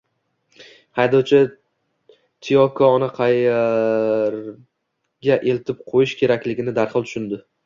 Haydovchi Tiyokoni qaerga eltib ko`yish kerakligini darhol tushundi